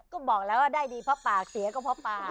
ก็บอกแล้วว่าได้ดีเพราะปากเสียก็เพราะปาก